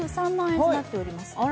２３万円になっています。